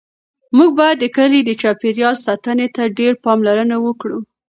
موږ باید د کلي د چاپیریال ساتنې ته ډېره پاملرنه وکړو.